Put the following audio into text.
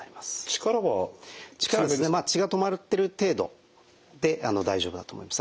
力は血が止まってる程度で大丈夫だと思います。